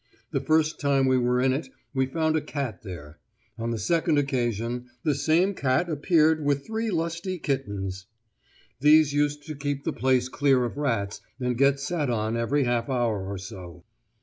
The first time we were in it we found a cat there; on the second occasion the same cat appeared with three lusty kittens! These used to keep the place clear of rats and get sat on every half hour or so.